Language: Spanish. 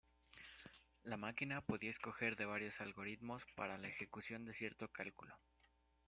La máquina podía escoger de varios algoritmos para la ejecución de cierto cálculo.